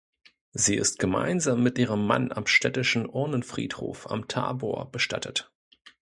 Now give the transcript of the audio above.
Sie ist gemeinsam mit ihrem Mann am Städtischen Urnenfriedhof am Tabor bestattet.